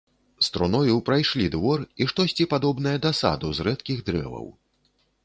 З труною прайшлі двор і штосьці падобнае да саду з рэдкіх дрэваў.